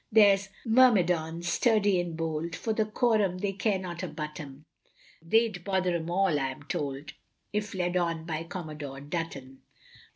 There's Myrmidons sturdy and bold, For the Quorum they care not a button. They'd bother em all I am told, If led on by Commodore Dutton.